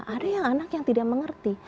ada yang anak yang tidak mengerti